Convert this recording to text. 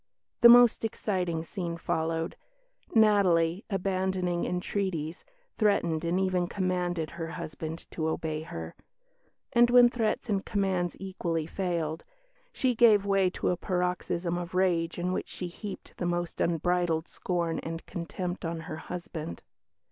"The most exciting scene followed. Natalie, abandoning entreaties, threatened and even commanded her husband to obey her"; and when threats and commands equally failed, she gave way to a paroxysm of rage in which she heaped the most unbridled scorn and contempt on her husband.